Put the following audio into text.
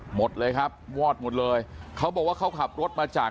หมดเลยครับวอดหมดเลยเขาบอกว่าเขาขับรถมาจาก